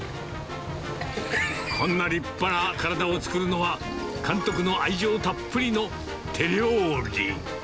こんな立派な体を作るのは、監督の愛情たっぷりの手料理。